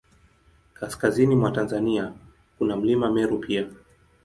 Kaskazini mwa Tanzania, kuna Mlima Meru pia.